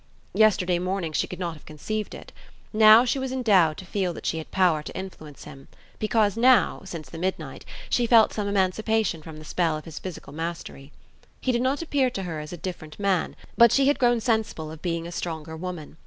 Yesterday morning she could not have conceived it. Now she was endowed to feel that she had power to influence him, because now, since the midnight, she felt some emancipation from the spell of his physical mastery. He did not appear to her as a different man, but she had grown sensible of being a stronger woman.